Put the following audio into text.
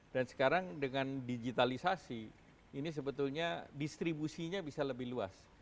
sekarang dengan digitalisasi ini sebetulnya distribusinya bisa lebih luas